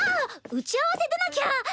打ち合わせ出なきゃ。